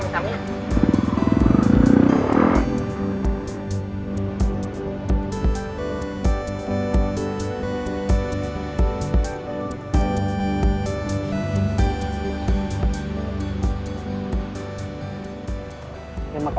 terima kasih teh